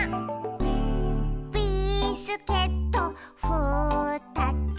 「ビスケットふたつ」